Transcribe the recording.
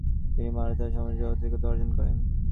তিনি মারাঠা সাম্রাজ্যের অাধিপত্য অর্জন করেন।